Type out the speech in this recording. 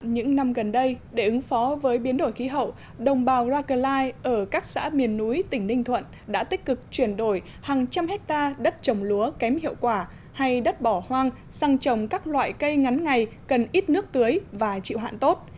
những năm gần đây để ứng phó với biến đổi khí hậu đồng bào racklay ở các xã miền núi tỉnh ninh thuận đã tích cực chuyển đổi hàng trăm hectare đất trồng lúa kém hiệu quả hay đất bỏ hoang sang trồng các loại cây ngắn ngày cần ít nước tưới và chịu hạn tốt